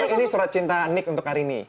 ini surat cinta nick untuk arini